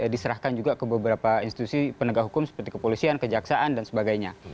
diserahkan juga ke beberapa institusi penegak hukum seperti kepolisian kejaksaan dan sebagainya